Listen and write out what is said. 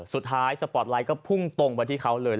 สปอร์ตไลท์ก็พุ่งตรงไปที่เขาเลย